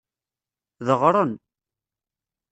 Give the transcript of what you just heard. Deɣren.